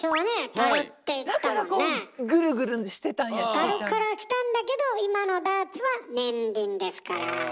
タルからきたんだけど今のダーツは年輪ですから。